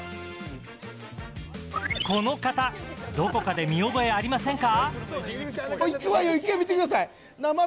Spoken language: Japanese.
この方、どこかで見おぼえはありませんか。